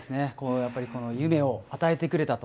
やっぱり夢を与えてくれたと。